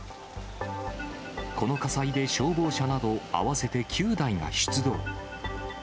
この火災で消防車など合わせて９台が出動。